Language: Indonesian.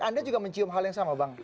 anda juga mencium hal yang sama bang